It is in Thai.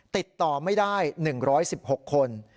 ติดต่อไม่ได้๑๑๖คน